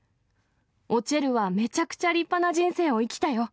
おちぇるはめちゃくちゃ立派な人生を生きたよ！